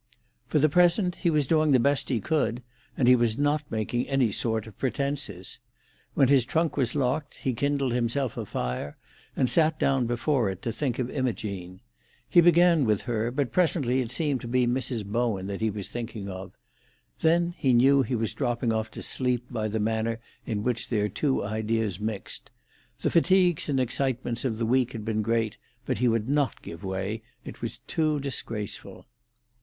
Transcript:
For the present he was doing the best he could, and he was not making any sort of pretences. When his trunk was locked he kindled himself a fire, and sat down before it to think of Imogene. He began with her, but presently it seemed to be Mrs. Bowen that he was thinking of; then he knew he was dropping off to sleep by the manner in which their two ideas mixed. The fatigues and excitements of the week had been great, but he would not give way; it was too disgraceful.